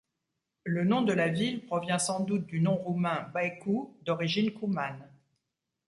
Le nom de la ville provient sans doute du nom roumain Baicu, d'origine coumane.